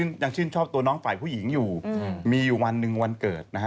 ยังชื่นชอบตัวน้องฝ่ายผู้หญิงอยู่มีอยู่วันหนึ่งวันเกิดนะฮะ